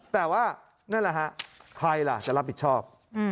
แต่ว่านั่นแหละฮะใครล่ะจะรับผิดชอบ